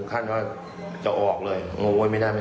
การเงินมันมีฝักมีฝ่ายฮะ